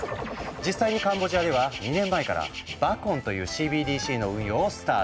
実際にカンボジアでは２年前から「バコン」というＣＢＤＣの運用をスタート。